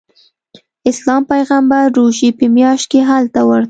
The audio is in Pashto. اسلام پیغمبر روژې په میاشت کې هلته ورته.